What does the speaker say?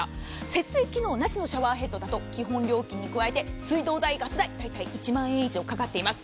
節水機能なしのシャワーヘッドだと基本料金に加えて水道代・ガス代大体１万円以上かかっています。